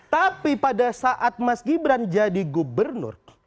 tapi pada saat mas gibran jadi gubernur